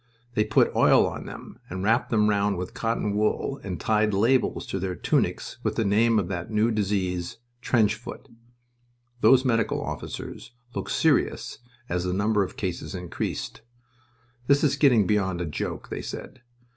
They put oil on them, and wrapped them round with cotton wool, and tied labels to their tunics with the name of that new disease "trench foot." Those medical officers looked serious as the number of cases increased. "This is getting beyond a joke," they said.